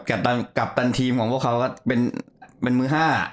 เหมือนกับกัปตันทีมของพวกเขาก็เป็นเป็นมือ๕อ่ะ